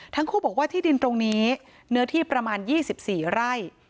ทั้งคู่บอกว่าที่ดินตรงนี้เนื้อที่ประมาณ๒๔ไร่